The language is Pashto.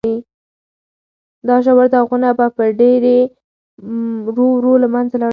دا ژور داغونه به په ډېرې ورو ورو له منځه لاړ شي.